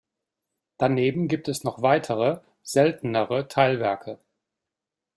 Daneben gibt es noch weitere, seltenere Teilwerke.